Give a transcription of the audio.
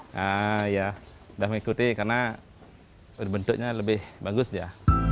nah ya sudah mengikuti karena bentuknya lebih bagus dia